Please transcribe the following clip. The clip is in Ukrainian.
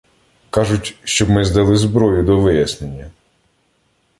Кажуть, щоб ми здали зброю до вияснення.